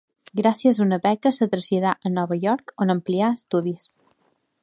Gràcies a una beca, es traslladà a Nova York, on amplià estudis.